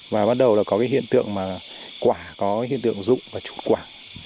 và bắt đầu là có cái hiện tượng mà quả có hiện tượng rụng và trút quả